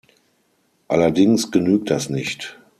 Allerdings genügt das nicht.